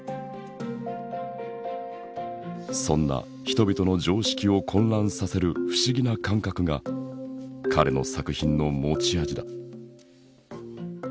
そんな人々の常識を混乱させる不思議な感覚が彼の作品の持ち味だ。